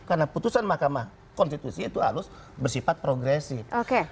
karena putusan mahkamah konstitusi itu harus bersifat progresif oke